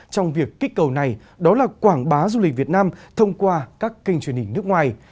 trong việc kích cầu này đó là quảng bá du lịch việt nam thông qua các kênh truyền hình nước ngoài